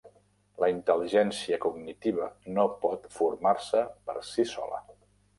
La intel·ligència cognitiva no pot formar-se per si sola.